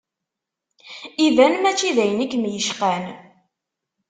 Iban mačči d ayen i kem-yecqan.